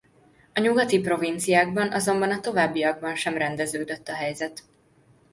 A nyugati provinciákban azonban a továbbiakban sem rendeződött a helyzet.